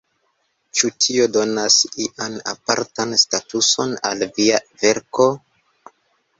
Ĉu tio donas ian apartan statuson al via verko?